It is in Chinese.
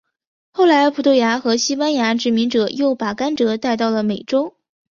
后来葡萄牙和西班牙殖民者又把甘蔗带到了美洲。